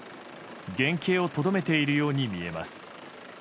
原形をとどめているように見えます。